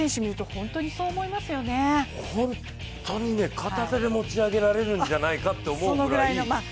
本当にね、片手で持ち上げられるんじゃないかなと思うぐらい。